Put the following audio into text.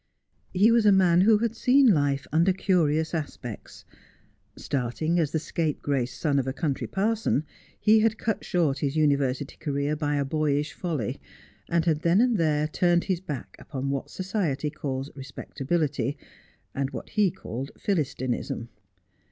He was a man who had seen life under curious aspects. Starting as the scapegrace son of a country parson, he had cut short his university career by a boyish folly, and had then and there turned his back upon what society calls respectability, and what he called Philistinism.